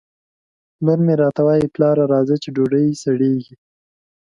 لور مې راته وایي ! پلاره راځه چې ډوډۍ سړېږي